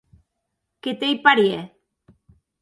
Que t’ei parièr.